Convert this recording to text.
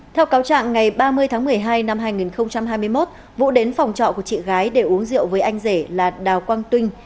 theo cáo trạng ngày ba mươi tháng một mươi hai năm hai nghìn hai mươi một vũ đến phòng trọ của chị gái để uống rượu với anh rể là đào quang tuyên